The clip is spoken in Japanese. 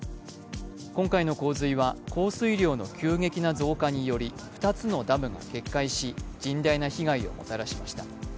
今回の洪水は降水量の急激な増加により２つのダムが決壊し、甚大な被害をもたらしました。